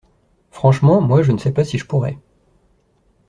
Franchement, moi, je ne sais pas si je pourrais.